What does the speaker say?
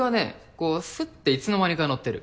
こうすっていつの間にか乗ってる。